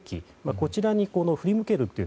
こちらに振り向けるという